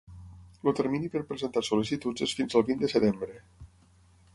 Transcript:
El termini per presentar sol·licituds és fins al vint de setembre.